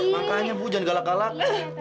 makanya bu jangan galak galak